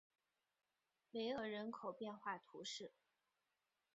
维厄人口变化图示